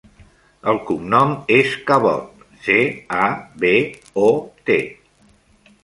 El cognom és Cabot: ce, a, be, o, te.